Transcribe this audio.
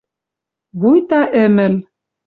Вуйта ӹмӹл